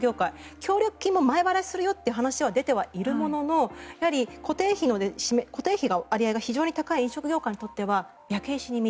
協力金も前払いするよという話は出ているもののやはり固定費の割合が非常に高い飲食業界にとっては焼け石に水。